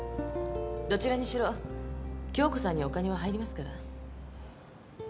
どちらにしろ京子さんにお金は入りますから。